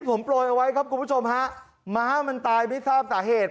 ผมโปรยเอาไว้ครับคุณผู้ชมฮะม้ามันตายไม่ทราบสาเหตุ